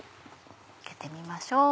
開けてみましょう。